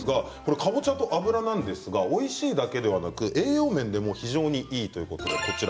かぼちゃと、あぶらなんですがおいしいだけではなく栄養面でも非常にいいということです。